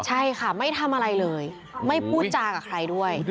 ใช่ค่ะไม่ทำอะไรเลยไม่พูดจากับใครด้วย